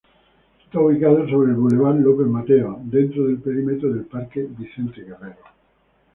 Está ubicado sobre el bulevar López Mateos, dentro del perímetro del parque Vicente Guerrero.